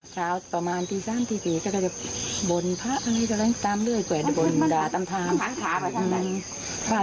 เช้าประมาณตี๓๔ก็จะบนพระตามเลื่อยตุ๋ยบนดาตามทาง